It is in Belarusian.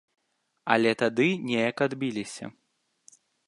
Але тады неяк адбіліся.